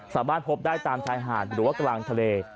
สามารถพบได้ตามชายหาดหรือว่ากลางทะเล